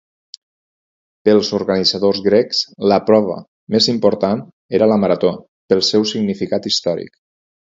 Pels organitzadors grecs la prova més important era la marató, pel seu significat històric.